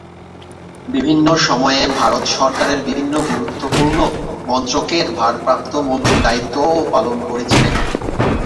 বিভিন্ন সময়ে ভারত সরকারের বিভিন্ন গুরুত্বপূর্ণ মন্ত্রকের ভারপ্রাপ্ত মন্ত্রীর দায়িত্বও পালন করেছিলেন।